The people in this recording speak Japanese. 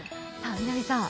南さん